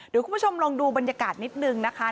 เดี๋ยวคุณผู้ชมลองดูบรรยากาศนิดนึงนะคะ